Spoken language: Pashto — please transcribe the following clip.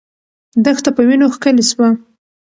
دښته په وینو ښکلې سوه.